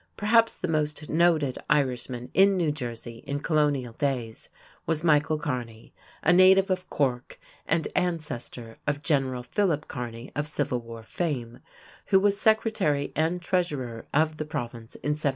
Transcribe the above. Perhaps the most noted Irishman in New Jersey in colonial days was Michael Kearney, a native of Cork and ancestor of General Philip Kearney of Civil War fame, who was secretary and treasurer of the Province in 1723.